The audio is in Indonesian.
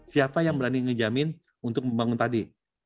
siapa yang berani ngejamin untuk membangun tadi